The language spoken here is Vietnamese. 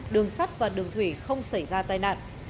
đường sắt và đường thủy không xảy ra tai nạn